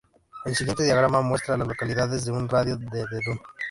El siguiente diagrama muestra a las localidades en un radio de de Dunn.